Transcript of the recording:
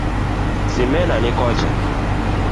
Simena ni kocha.